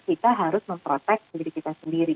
kita harus memprotek diri kita sendiri